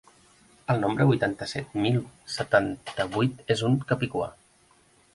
El nombre vuitanta-set mil setanta-vuit és un capicua.